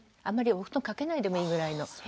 あんまりお布団掛けないでもいいぐらいの。